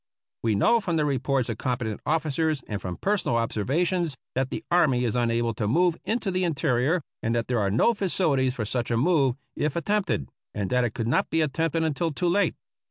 We know from the reports of competent officers and from personal observations that the army is unable to move into the interior, and that there are no facilities for such a move if attempted, and that it could not be attempt ed until too late.